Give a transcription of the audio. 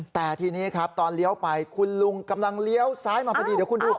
แต่ทีนี้ครับตอนเลี้ยวไปคุณลุงกำลังเลี้ยวซ้ายมาพอดีเดี๋ยวคุณดู